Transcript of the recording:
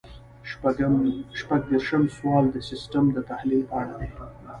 شپږ دېرشم سوال د سیسټم د تحلیل په اړه دی.